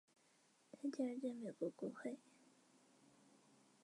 现时富豪雪糕的总部位于美国新泽西州的兰尼米德市。